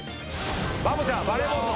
バボちゃんバレーボールの。